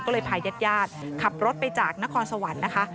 ก็เลยพาญาติขับรถไปจากนครสวรรค์นะคะ